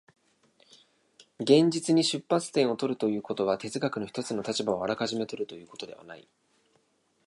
現実に出発点を取るということは、哲学の一つの立場をあらかじめ取るということではない。